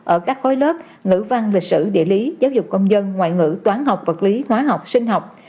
ở các khối lớp ngữ văn lịch sử địa lý giáo dục công dân ngoại ngữ toán học vật lý hóa học sinh học